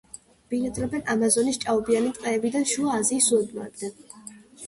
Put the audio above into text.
ბინადრობენ ამაზონის ჭაობიანი ტყეებიდან შუა აზიის უდაბნოებამდე.